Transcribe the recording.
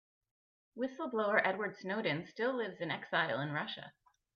Whistle-blower Edward Snowden still lives in exile in Russia.